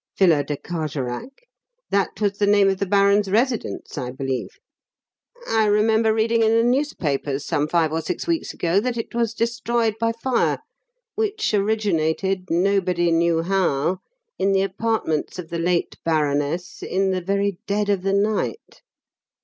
"Villa de Carjorac? That was the name of the baron's residence, I believe. I remember reading in the newspapers some five or six weeks ago that it was destroyed by fire, which originated nobody knew how in the apartments of the late baroness in the very dead of the night.